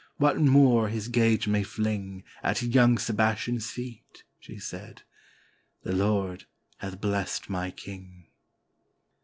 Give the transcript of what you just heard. what Moor his gage may fling At young Sebastian's feet?" she said. "The Lord hath blessed my King."